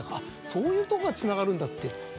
そういうとこがつながるんだ」ってもう。